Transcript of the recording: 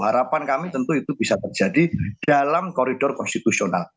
harapan kami tentu itu bisa terjadi dalam koridor konstitusional